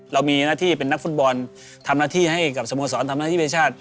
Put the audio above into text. เรามีหน้าที่เป็นนักฟุตบอลทำหน้าที่ให้กับสโมสรทำหน้าที่เป็นชาติ